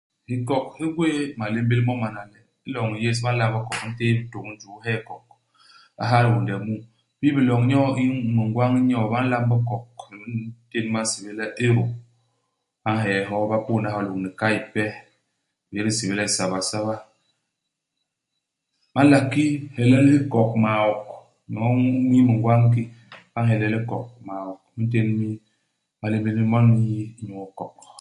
Hikok hi gwéé malémbél mo mana le. I loñ yés ba nlamb hikok u ntéé bitôñ i juu u hee hikok. U ha hiônde mu. Bi biloñ nyoo i mingwañ nyoo, ba nlamb hikok i ntén ba nsébél le Eru. Ba nhee hyo, ba pôdna hyo lôñni kay ipe, bés ndi nsébél le sabasaba. Ba nla ki hyelel hikok maok. Nyoo mi mingwañ ki, ba nheñel hikok maok. Imintén mi malémbél mi ñwon me n'yi inyu hikok.